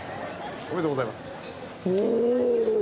・おめでとうございますおおっ！